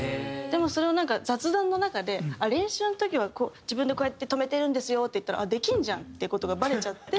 でもそれをなんか雑談の中で「練習の時は自分でこうやって止めてるんですよ」って言ったらあっできんじゃん！っていう事がバレちゃって。